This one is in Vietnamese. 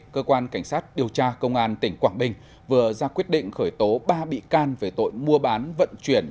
cơ quan cảnh sát điều tra công an tỉnh quảng bình vừa ra quyết định khởi tố ba bị can về tội mua bán vận chuyển